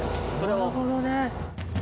なるほどね。